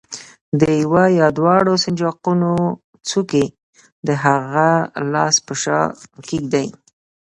د یوه یا دواړو سنجاقونو څوکې د هغه لاس په شا کېږدئ.